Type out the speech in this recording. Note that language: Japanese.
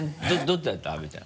どっちだった？